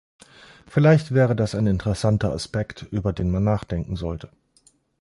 Vielleicht wäre das ein interessanter Aspekt, über den man nachdenken sollte.